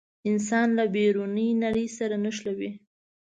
انسان له بیروني نړۍ سره نښلوي.